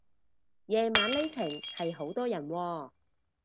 夜晚呢程係好多人喎